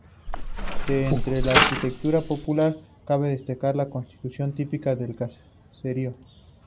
De entre la arquitectura popular cabe destacar la construcción típica del caserío.